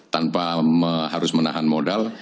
tanpa harus menahan modal